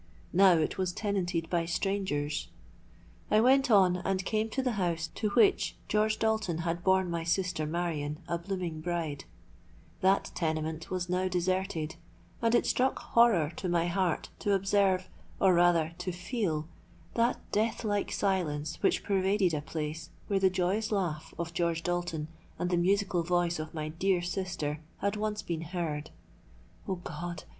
Now it was tenanted by strangers. I went on, and came to the house to which George Dalton had borne my sister Marion a blooming bride: that tenement was now deserted—and it struck horror to my heart to observe—or rather to feel—that death like silence which pervaded a place where the joyous laugh of George Dalton and the musical voice of my dear sister had once been heard. O God!